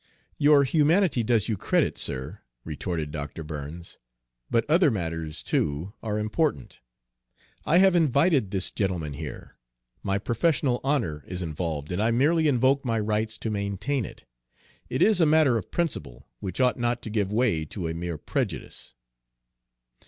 "Your humanity does you credit, sir," retorted Dr. Burns. "But other matters, too, are important. I have invited this gentleman here. My professional honor is involved, and I merely invoke my rights to maintain it. It is a matter of principle, which ought not to give way to a mere prejudice."